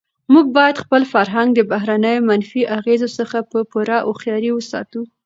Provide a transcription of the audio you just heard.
موږ باید خپل فرهنګ د بهرنیو منفي اغېزو څخه په پوره هوښیارۍ وساتو.